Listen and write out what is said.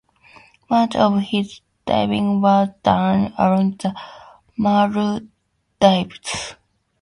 Much of his diving was done around the Maldives.